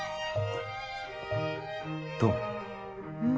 どう？